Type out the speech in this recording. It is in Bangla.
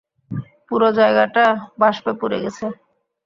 পুরো জায়গাটা বাষ্পে পুড়ে গেছে।